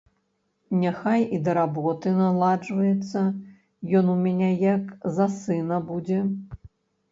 Няхай і да работы наладжваецца, ён у мяне як за сына будзе.